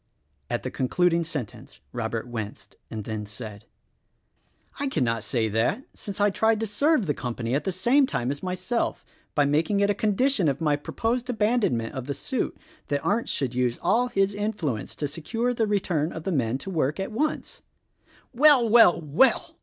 At the concluding sentence Robert winced' and then said, "I cannot say that, since I tried to serve the com pany at the same time as myself by making it a condition of my proposed abandonment of the suit that Arndt should use all his influence to secure the return of the men to work at once." "Well! Well!! Well!!!"